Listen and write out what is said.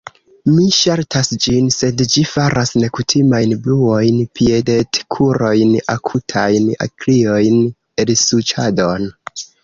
Mi ŝaltas ĝin, sed ĝi faras nekutimajn bruojn: piedetkurojn, akutajn kriojn, elsuĉadon...